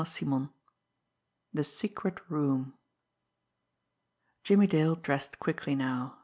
CHAPTER XIII THE SECRET ROOM Jimmie Dale dressed quickly now.